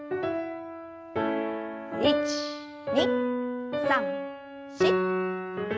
１２３４。